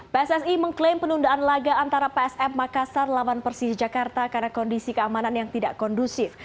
pssi mengklaim penundaan laga antara psm makassar lawan persija jakarta karena kondisi keamanan yang tidak kondusif